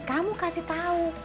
kamu kasih tau